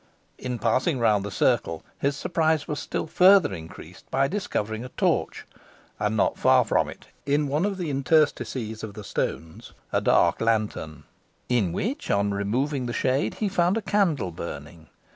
In passing round the circle, his surprise was still further increased by discovering a torch, and not far from it, in one of the interstices of the stones, a dark lantern, in which, on removing the shade, he found a candle burning.